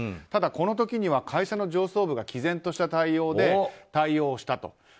ただ、この時には会社の上層部が毅然とした態度で対応したと。